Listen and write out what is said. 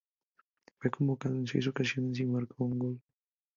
Fue convocado en seis ocasiones y marcó un gol.